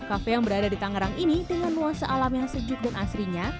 kafe yang berada di tangerang ini dengan nuansa alam yang sejuk dan asrinya